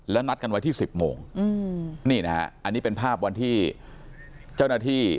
แล้วนัดกันไว้ที่๑๐โมงนี่นะฮะอันนี้เป็นภาพวันที่เจ้าหน้าที่